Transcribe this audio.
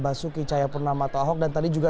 basuki cahayapurnama atau ahok dan tadi juga